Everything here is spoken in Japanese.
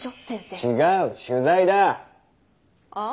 違う取材だッ。